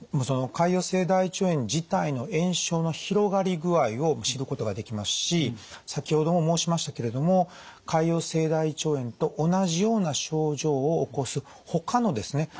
その潰瘍性大腸炎自体の炎症の広がり具合を知ることができますし先ほども申しましたけれども潰瘍性大腸炎と同じような症状を起こす他のですね